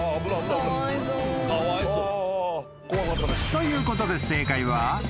［ということで正解は］